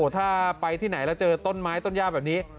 ถ้าไปที่ไหนแล้วเจอต้นไม้ต้นย่าแบบนี้